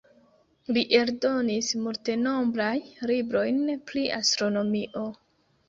Li eldonis multenombraj librojn pri astronomio.